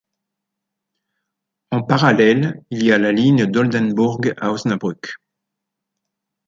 En parallèle, il y a la ligne d'Oldenbourg à Osnabrück.